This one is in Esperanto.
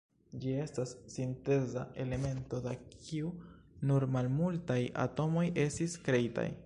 Ĝi estas sinteza elemento, da kiu nur malmultaj atomoj estis kreitaj.